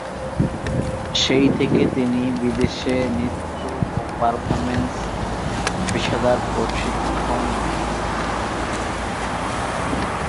সেই থেকে তিনি বিদেশে নৃত্য ও পারফরম্যান্সের পেশাদার প্রশিক্ষণ নেন।